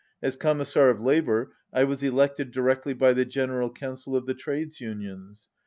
As Commissar of Labour, I was elected directly by the General Council of the Trades Unions.